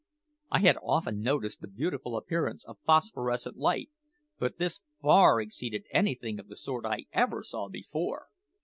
I had often noticed the beautiful appearance of phosphorescent light, but this far exceeded anything of the sort I ever saw before.